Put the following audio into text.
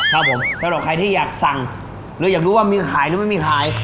ครับผมสำหรับใครที่อยากสั่งหรืออยากรู้ว่ามีขายหรือไม่มีขาย